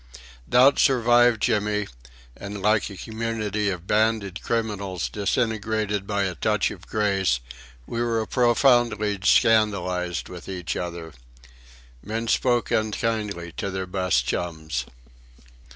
Doubt survived Jimmy; and, like a community of banded criminals disintegrated by a touch of grace, we were profoundly scandalised with each other. Men spoke unkindly to their best chums.